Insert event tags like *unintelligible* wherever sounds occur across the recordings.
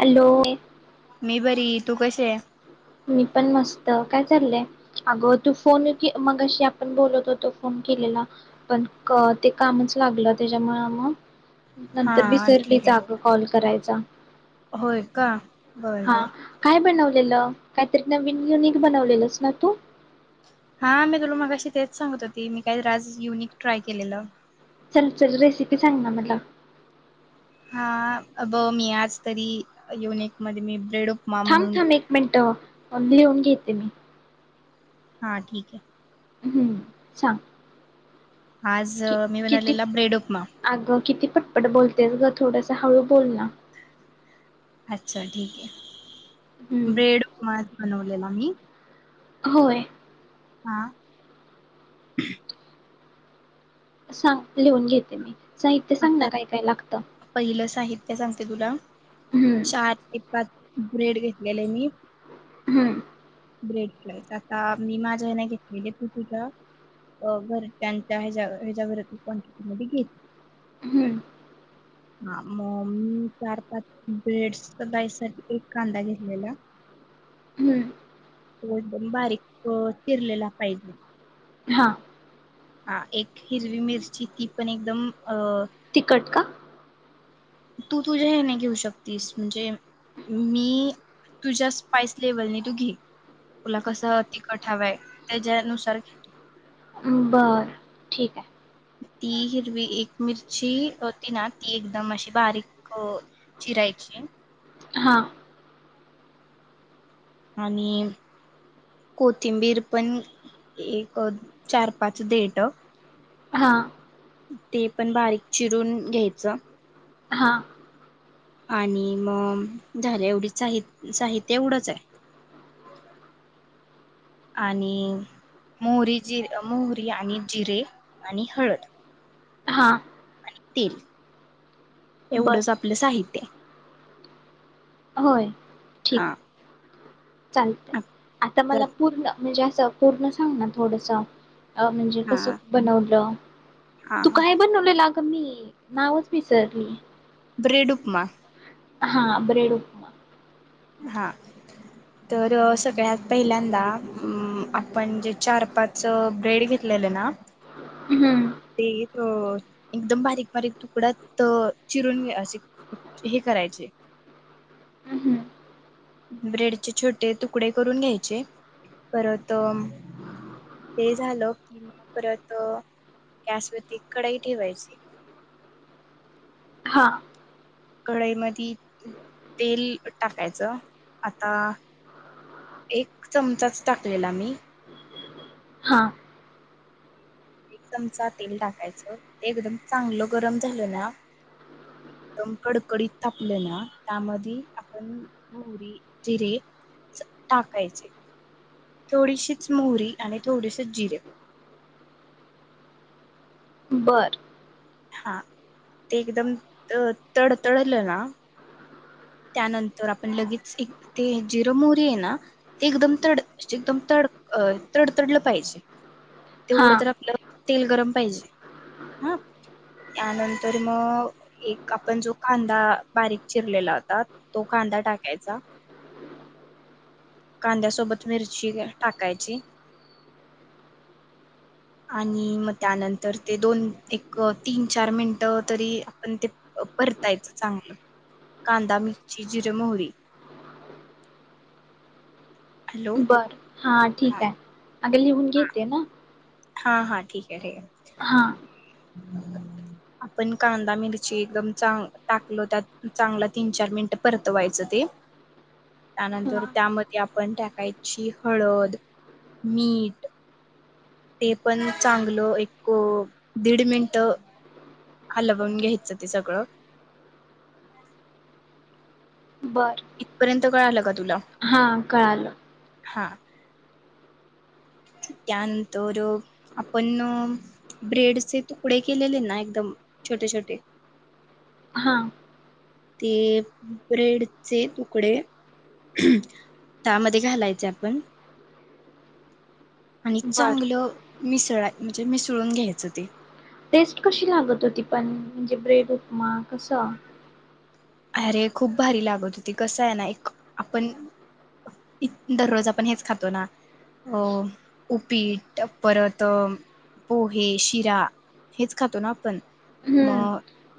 Hello मी बरी तू कशीय मी पण मस्त, काय चाललंय अगं तू फोन अ मगाशी आपण बोलत होतो फोन केलेला पण ते कामच लागलं. त्याच्यामुळे मग, नंतर हा ठीक विसरलीच आहे अग कॉल करायचा. होय का, बर हा बर *unintelligible* काहीतरी नवीन युनिक बनवलेलंस ना तू? हा मी तुला मगा अशी तेच सांगत होती मी काय राज युनिक ट्राय केलेलं. चलचल रेसिपी सांग ना मला हा अ ब मी आज तरी युनिक मध्ये मी ब्रेड उपमा थांब म्हणून थांब एक मिनट लिहून घेते मी हा ठीक आहे. हम्म, सांग आज कि मी बनवलेला ब्रेड उपमा फटपट बोलतेस ग थोडस हळू बोल ना, अच्छा ठीक! हम्म ब्रेड उपमा बनवलेला. आणि होय. हा सांग लिहून घेते, मी साहित्य सांग ना काय काय लागतं. ते सांगते तुला, हम्म चार ते पाच ब्रेड घेतलेले मी हम्म ब्रेड फ्राईस आता मी माझ्या हे नाही घेतलेले तू तुझ्या घरच्याच्या ह्याच्या ह्याच्या घर क्वांटिटी मध्ये घे. हम्म हा म मी चार पाच ब्रेडस स्लाइससाठी एक कांदा घेतलेला. हम्म तो एकदम बारीक चिरलेला पाहिजे. हा हा एक हिरवी मिरची ती पण एकदम अ तिकट का? तू तुझ्या ह्यांनी घेऊ शकतीस म्हणजे मी तुझ्या स्पाइस लेव्हलने तू घे तुला कस तिखट हाव्य त्याच्यानुसार घे तू. बर ठीकय. ती हिरवी एक मिरची होती ना ती एकदम अशी बारीक चिरायची. हा आणि कोथिंबीर पण एक चार पाच देट हा ते पण बारीक चिरून घेयचं. हा आणि म झालं एवढी साहित साहित्य एवढंचय. आणि मोहरी जि मोहरी आणि जिरे आणि हळद हा तीन एवढंच बरं आपलं साहित्य होय हा ठीकय चालतंय आता हा मला पूर्ण म्हणजे अ पूर्ण सांग ना थोडासा अ म्हणजे कस बनवलं हा तू हा काय बनवलेल आ मी नावच विसरली ब्रेड उपमा हा ब्रेड उपमा हा तर सगळ्यात पहिल्यांदा अं आपण जे चार पाच ब्रेड घेतलेले ना हू ते एकदम बारीक बारीक तुकड्यात चिरून घ असे हे करायचे हम्म ब्रेडचे छोटे तुकडे करून घ्यायचे परत ते झालं कि म परत गॅसवरती कढई ठेवायची हा कढईमधी तेल टाकायच आता एक चमचाच टाकलेला मी हा एक चमचा तेल टाकायचं ते एकदम चांगलं गरम झालं ना एकदम कडकडीत तापलं ना त्यामध्ये आपण मोहरी जिरे टाकायचे थोडीशीच मोहरी आणि थोडेसे जिरे बर हा ते एकदम त तडतडल ना त्यानंतर आपण लगेच एक ते जिरं मोहरी हे ना ते एकदम तड एकदम तड अं तडतडलं पाहिजे तेवढं हां तर आपलं तेल गरम पाहिजे हा त्यानंतर मग एक आपण जो कांदा बारीक चिरलेला होता तो कांदा टाकायचा कांद्यासोबत मिरची टाकायची आणि मग त्यानंतर ते दोन एक तीन चार मिनटं तरी आपण ते परतायचं चांगलं कांदा मिरची, जिर, मोहरी हॅलो बर हा ठीक य अग लिहून घेते ना हा हा ठीक आहे ठीक आहे हां आपण कांदा, मिरची, एकदम चांग टाकल त्यात चांगला तीन चार मिनिट परतवायचं ते त्यानंतर हां त्यामध्ये आपण टाकायची हळद, मीठ. ते पण चांगलं एक दीड मिनिट हलवून घ्यायचं ते सगळं बर इथपर्यंत कळालं का तुला? हा कळाल हा त्यानंतर आपण ब्रेडचे तुकडे केलेले ना एकदम छोटे छोटे हां ते ब्रेडचे तुकडे त्यामध्ये घालायचे आपण आणि बरं चांगलं मिसळा म्हणजे मिसळून घ्यायचं ते टेस्ट कशी लागत होती पण म्हणजे ब्रेड, उपमा कसा? अरे खूप भारी लागत होती कसं आहे ना एक आपण दररोज आपण हेच खातो ना अ उपीट परत पोहे, शिरा हेच खातो ना आपण हम्म मग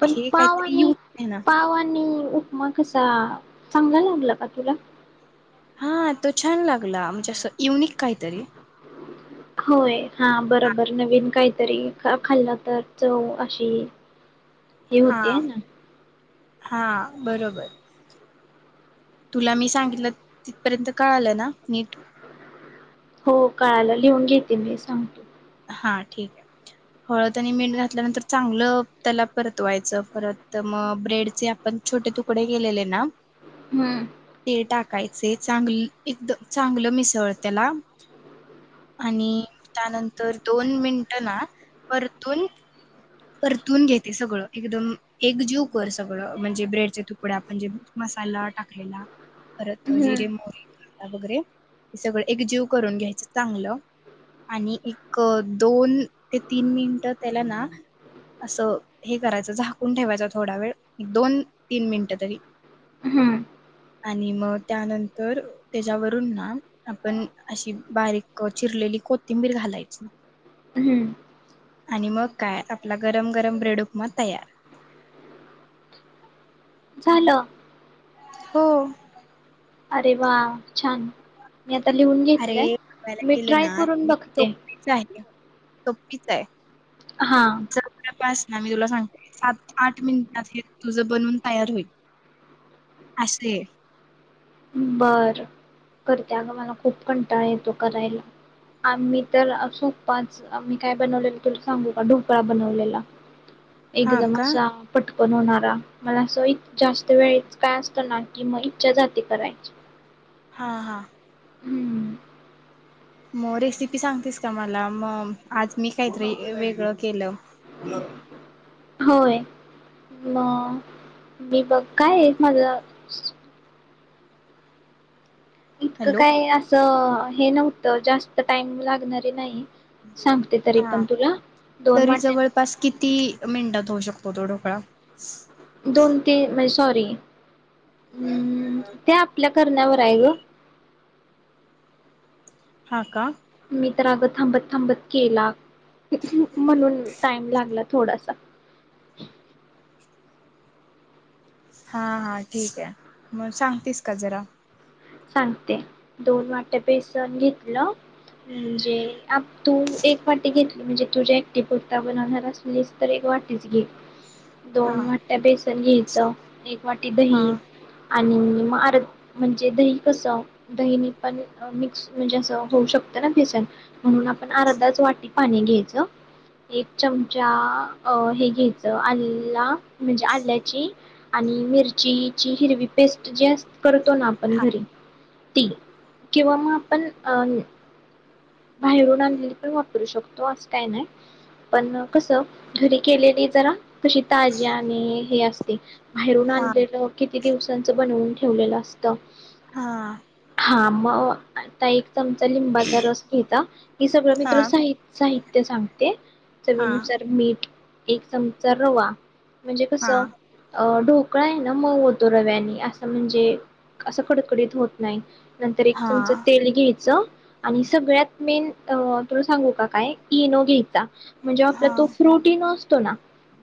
पण हे काहीतरी पावानी येऊन आहे ना पावानी उपमा कसा चांगला लागला का तुला? हा तो छान लागला म्हणजे असं युनिक काहीतरी होय हा बरोबर नवीन काय तरी ख खाल्लं तर चव अशी हे हा होते ना हा बरोबर तुला मी सांगितलं तिथपर्यंत कळालं ना नीट? हो कळाला लिहून घेते मी सांग तु हा ठीक आहे हळद आणि मीठ घातल्यानंतर चांगलं त्याला परतवायचं परत मग ब्रेडचे आपण छोटे तुकडे केलेले ना हम्म ते टाकायचे चांगल एकदम चांगलं मिसळ त्याला आणि त्यानंत तर दोन मिनटं ना परतून परतून घेते सगळं एकदम एक जीव कर सगळं म्हणजे ब्रेडचे तुकडे आपण जे मसाला टाकलेला परत हम्म जिरे मोरी वगैरे हे सगळं एकजीव करून घ्यायचं चांगलं आणि एक दोन ते तीन मिनिटं त्याला ना असं हे करायचं झाकून ठेवायचं थोडा वेळ एक दोन तीन मिनिटं तरी हम्म आणि मग त्यानंतर त्याच्यावरून ना आपण अशी बारीक चिरलेली कोथिंबीर घालायची. अच् हम्म - आणि मग काय आपला गरम गरम ब्रेड उपमा तयार झालं. हो अरे वा छान मी आता लिहून अरे घेतलंय बघायला मी गेलं ट्राय ना करून तरी ती बघते सोपीच आहे सोपीच आहे. हा उपास ना मी तुला सांगतो सात आठ मिनिटात हे तुझ बनून तयार होईल असय बर करते अगं मला खूप कंटाळा येतो करायला आम्ही तर सोपपाच मी काय बनवलेलं तुला सांगू का ढोकळा बनवलेला हा एकदम का असा पटकन तोण होणारा मला अस ही जास्त वेळेच काय असतं ना की म इच्छा जाती कराया हा हा हुं! म रेसिपी सांगतेस का मला म आज मी काहीतरी वेगळं केलं. होय! मग मी बघ काय हेत माझ. इतकं हॅलो काय असंअ नव्हतं जास्त टाईम लागणारे नाही. सांगते तरी हा पण तुला दोन तरी वाट्या जवळपास किती मिनटात. होऊ शकतो तो ढोकळा? दोन तीन म्हणजे सॉ री हुं ते आपल्या करण्यावर आहे ग. हा का! मी तर अगं थांबत, थांबत केला. म्हणून टाईम लागला थोडासा. *inaudible* हा हा ठीक आहे, मग सांगतीस का जरा सांगते दोन वाट्या बेस घेतलं म्हणजे आप तू एक वाटी घेतली म्हणजे, तुझ्या एकटी पुरता बनवणार असलीस तर एक वाटीच घे. हा दोन वाट्या बेसन घ्यायचं एक वाटी हा दही आणि मार म्हणजे दही कस दही नी पाणी अ मिक्स म्हणजे असं होऊ शकतं ना बेसन म्हणून आपण अर्धाच वाटी पाणी घ्यायचं, एक चमचा अ हे घ्यायचं आल्ला म्हणजे आल्याची आणि मिरचीची हिरवी पेस्ट जी अस करतो ना आपण हा घरी ती किंवा मग आपण अं. बाहेरून आणलेली पण वापरू शकतो असं काय नाही पण कस घरी केलेली जरा कशी ताज्या आणि हे अस ते! बाहेरून हा आणलेलं किती दिवसांचं बनवून ठेवलेलं असतं. हा! हां म आता एक चमचा लिंबाचा रस घेयचा हे सगळं मी हा तुला साहि साहि ते सांगते. हा चवीनुसार मीठ एक चमचा रवा म्हणजे कसं हा अअ ढोकळा आहे ना मऊ होतो रव्यानी असं म्हणजे असं कडकडीत होत नाही. नंतर एक चमचा हा तेल घेयच आणि सगळ्यात मेन अ तुला सांगू का काय इनो घ्यायचा. म्हणजे आपला हा तो फ्रुट इनो असतो ना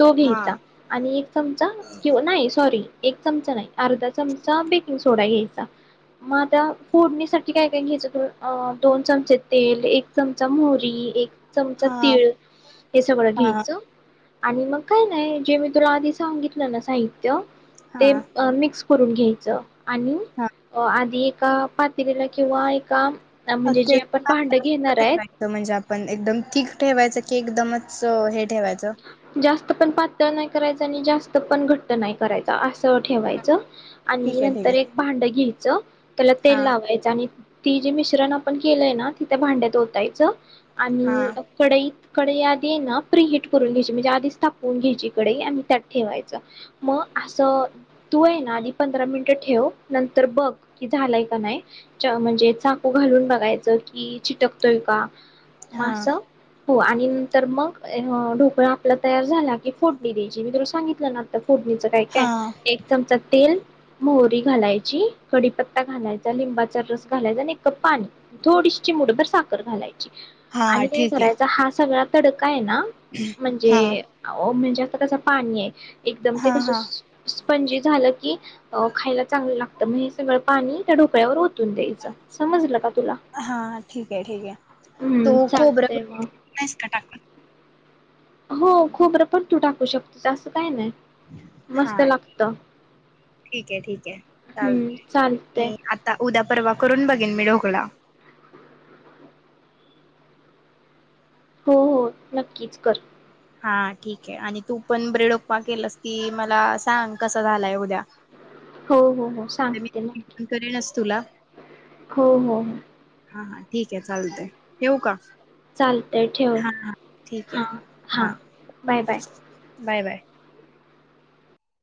तो घ्यायचा हा आणि एक चमचा कीव नाही सॉरी एक चमचा नाही अर्धा चमचा बेकिंग सोडा घ्यायचा म आता फोडणीसाठी काय काय घ्यायचं त अअ दोन चमचे तेल एक चमचा मोहरी एक चमचा हा तीळ हे सगळं हा हा घ्यायचं आणि मग काय नाय जे मी तुला आधी सांगितलं ना साहित्य ते अ मिक्स करून घ्यायचं. आणि हा आधी ए का पात तील किंवा एका म्हणजे जे भांड घेणार आहेत *unintelligible* म्हणजे आपण एकदम ती ठेवायच की एकदमच हे ठेवायचं जास्त पण पातळ नाय करायच आणि जास्त पण घट नाही करायचं अस *unintelligible* ठेवायचं आणि ठीक आहे ठीक नंतर आहे एक भांड घ्यायचं त्याला तेल हा लावायचं आणि ती जे मिश्रण आपण केलंय ना ती त्या भांड्यात ओतायचं आणि हा कडईत कडई आत ते ना प्रिहीट करून घ्यायची म्हणजे आधीच तापवून घ्यायची कडई आणि त्यात ठेवायचं मग असं तू हे ना आधी पंधरा मिनिटं ठेव नंतर बघ कि झालाय का नाय म्हणजे चाकू घालून बघायचं कि चिटकतोय का म हा आस हो आणि नंतर मग *unintelligible* *unintelligible* आपला तयार झाला की फोडली द्यायची मी तुला सांगीतलं ना आता फोडणीच काय काय हा एक चमचा तेल मोहरी घालायची, कडीपत्ता घालायचा, लिंबाचा रस घालायचा आणि एक कप पाणी, थोडीशी चिमटभर साखर घालायची. हा आणि काय ठीक आहे करायचा हा सगळा तडका आहे ना, म्हणजे हा ओ म्हणजे कस पाणीय एकदम हा ते कसं हा *unintelligible* स्पंजी झालं की अ खायला चांगलं लागत मग हे सगळं पाणी त्या ढोकळ्यावर ओतून द्यायचं, समजलं का. तुला हा ठीकय ठीकय. तू हम्म खोबरं चालतय मग *unintelligible* नाहीस का टाकत? हो खोबरं पण तू टाकू शकतीस, असं काय नाही. हा मस्त लागतं ठीकय ठीकय चाल हम्म अ चालतंय आता उद्या परवा करून बघेन मी ढोकला. हो- हो नक्कीच कर. हा ठीक आहे आणि तू पण ब्रेड उपमा केलस की मला सांग कसं झालाय उद्या. हो हो. हो उद्या मी सांगते नक्की. पण करेनच तुला हो हो हो. हा हा ठीक आहे चालतय. ठेऊ का? चालतय ठेव, हा हा ठीक हा आहे -हा बाय - बाय. Bye - bye.